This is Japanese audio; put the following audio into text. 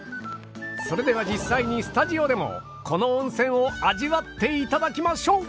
それでは実際にスタジオでもこの温泉を味わっていただきましょう！